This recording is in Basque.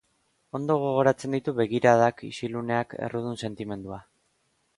Ondo gogoratzen ditu begiradak, isiluneak, errudun sentimendua.